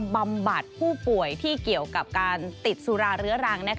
บำบัดผู้ป่วยที่เกี่ยวกับการติดสุราเรื้อรัง